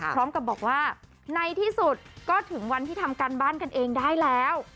พร้อมกับบอกว่าในที่สุดก็ถึงวันที่ทำการบ้านกันเองได้แล้ว